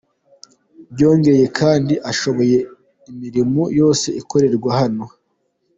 Byongeye kandi ashoboye imirimo yose ikorerwa hano.